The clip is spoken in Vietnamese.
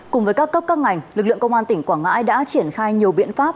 cùng với các cấp các ngành lực lượng công an tỉnh quảng ngãi đã triển khai nhiều biện pháp